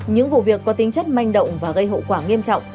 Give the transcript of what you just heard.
những vụ việc có tính chất manh động và gây hậu quả nghiêm trọng